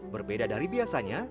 berbeda dari biasanya